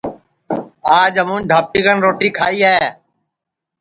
آج ہمون دھاپی کن روٹی کھائی ہے